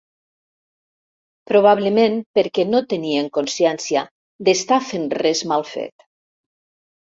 Probablement perquè no tenien consciència d'estar fent res mal fet.